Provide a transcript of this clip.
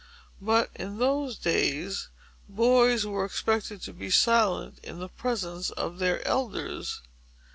But, in those days, boys were expected to be silent in the presence of their elders.